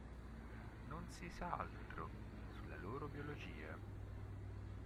Non si sa altro sulla loro biologia.